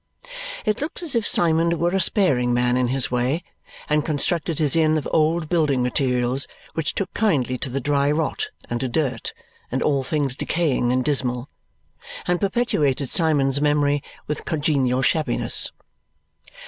It looks as if Symond were a sparing man in his way and constructed his inn of old building materials which took kindly to the dry rot and to dirt and all things decaying and dismal, and perpetuated Symond's memory with congenial shabbiness.